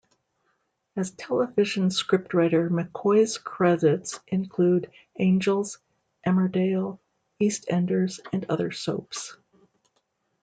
As television scriptwriter McCoy's credits include "Angels", "Emmerdale", "EastEnders" and other soaps.